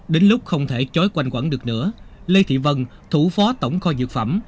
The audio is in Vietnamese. đến lúc không thể chói quanh quẳng được nữa lê thị vân thủ phó tổng kho dược phẩm